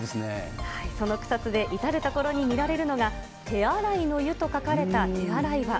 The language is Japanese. その草津で至る所で見られるのが、手洗乃湯と書かれた手洗い場。